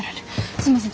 すいません